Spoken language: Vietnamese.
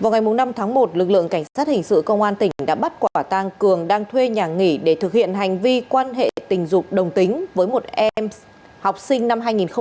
vào ngày năm tháng một lực lượng cảnh sát hình sự công an tỉnh đã bắt quả tang cường đang thuê nhà nghỉ để thực hiện hành vi quan hệ tình dục đồng tính với một em học sinh năm hai nghìn một mươi ba